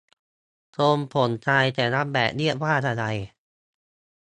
ทรงผมชายแต่ละแบบเรียกว่าอะไร